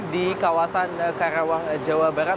di kawasan karawang jawa barat